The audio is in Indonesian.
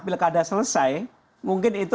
pilkada selesai mungkin itu